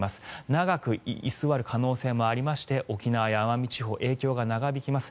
長く居座る可能性もありまして沖縄や奄美地方影響が長引きます。